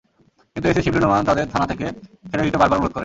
কিন্তু এসি শিবলী নোমান তাঁদের থানা থেকে ছেড়ে দিতে বারবার অনুরোধ করেন।